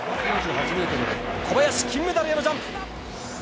小林、金メダルへのジャンプ。